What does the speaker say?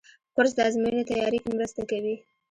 کورس د ازموینو تیاري کې مرسته کوي.